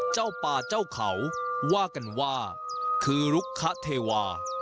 เจ้าป่าเจ้าเขาว่ากันว่าคือลุกคะเทวา